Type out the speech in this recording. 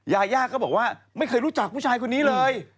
ยาย่าก็บอกว่าไม่เคยรู้จักผู้ชายคนนี้เลย